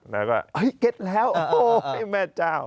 แล้วก็เก็บแล้วโอ้โฮแม่เจ้า